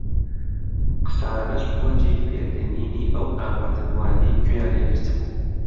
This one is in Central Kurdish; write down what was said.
قسانەش بووە جێی پێکەنینی ئەو ئامادەبووانەی گوێیان لێ گرتبوو